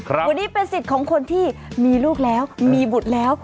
วันนี้เป็นสิทธิ์ของคนที่มีลูกแล้วมีบุตรแล้ว